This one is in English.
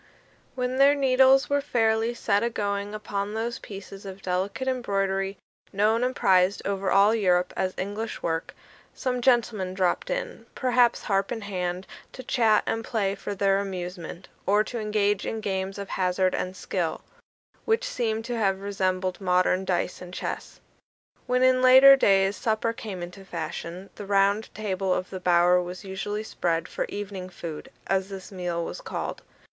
When their needles were fairly set a going upon those pieces of delicate embroidery, known and prized over all Europe as "English work," some gentlemen dropped in, perhaps harp in hand, to chat and play for their amusement, or to engage in games of hazard and skill, which seem to have resembled modern dice and chess. When in later days supper came into fashion, the round table of the bower was usually spread for Evening food, as this meal was called.